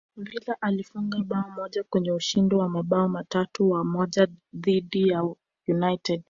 villa alifunga bao moja kwenye ushindi wa mabao matatu kwa moja dhidi ya united